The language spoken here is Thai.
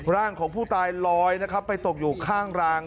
ร่างของผู้ตายลอยนะครับไปตกอยู่ข้างราง